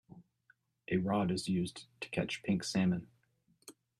A rod is used to catch pink salmon.